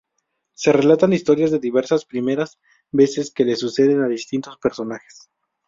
Se relatan historias de diversas primeras veces que le suceden a distintos personajes.